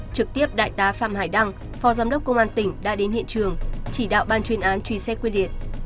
trực tiếp đại tá phạm hải đăng phó giám đốc công an tỉnh đã đến hiện trường chỉ đạo ban chuyên án truy xét quyết liệt